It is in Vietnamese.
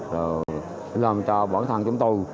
rồi làm cho bọn thân chúng tôi